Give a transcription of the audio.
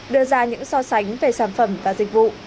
đưa ra những so sánh về sản phẩm và dịch vụ